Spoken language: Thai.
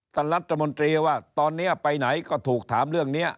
ท่านรัฐมนตรีว่าตอนนี้ไปไหนก็ถูกถามเรื่องนี้